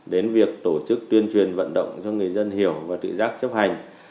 đến việc tổ chức tuyên truyền vận động cho người dân hiểu và tự giác chấp hành